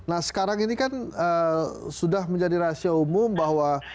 nah sekarang ini kan sudah menjadi rahasia umum bahwa